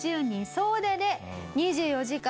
総出で２４時間